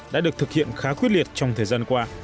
đã được thực hiện khá quyết liệt trong thời gian qua